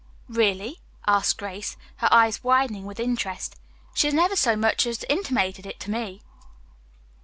"Really?" asked Grace, her eyes widening with interest. "She has never so much as intimated it to me."